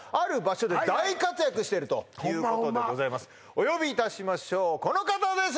お呼びいたしましょうこの方です